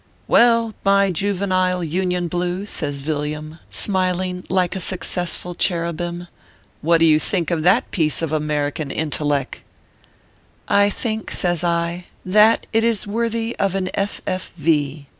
"Well, iny juvenile Union blue/ says Villiam, smiling like a successful cherubim, " what do you think of that piece of American intelleck ?"" I think/ says I, " that it is worthy of an F. F. V."